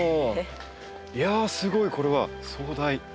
いやあすごいこれは壮大。